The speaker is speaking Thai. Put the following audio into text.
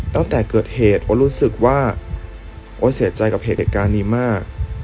ตั้งแต่เกิดเหตุโอ๊ตรู้สึกว่าโอ๊ตเสียใจกับเหตุการณ์นี้มาก